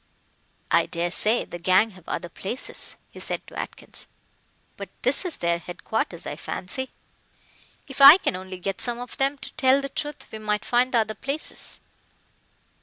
"I daresay the gang have other places," he said to Atkins, "but this is their headquarters, I fancy. If I can only get some of them to tell the truth we might find the other places."